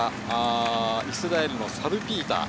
イスラエルのサルピーター。